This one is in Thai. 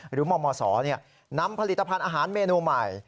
มมศนำผลิตภัณฑ์อาหารเมนูใหม่